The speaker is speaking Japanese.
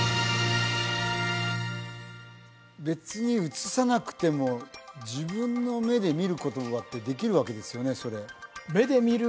別に映さなくても自分の目で見ることだってできるわけですよね？